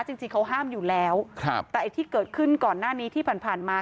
จริงเขาห้ามอยู่แล้วแต่ที่เกิดขึ้นก่อนหน้านี้ที่ผ่านมา